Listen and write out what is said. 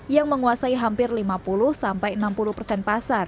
yang menguasai hampir lima puluh sampai enam puluh persen pasar